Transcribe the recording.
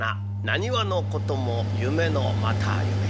浪速のことも夢のまた夢」。